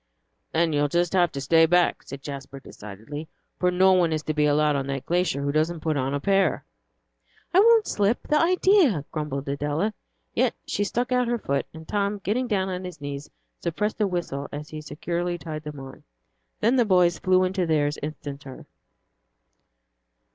"Then you'll just have to stay back," said Jasper, decidedly, "for no one is to be allowed on that glacier who doesn't put on a pair." "I won't slip the idea!" grumbled Adela. Yet she stuck out her foot, and Tom, getting down on his knees, suppressed a whistle as he securely tied them on. Then the boys flew into theirs instanter.